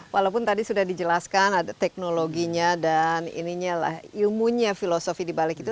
walaupun tadi sudah dijelaskan ada teknologinya dan ininya lah ilmunya filosofi dibalik itu